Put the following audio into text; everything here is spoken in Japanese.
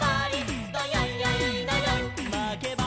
「まけば」